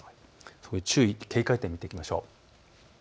そこで注意、警戒点を見ていきましょう。